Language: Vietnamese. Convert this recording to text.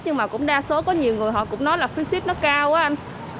nhưng mà cũng đa số có nhiều người họ cũng nói là phí ship nó cao anh